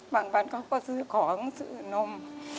บางวันเขาก็ซื้อของซื้อนม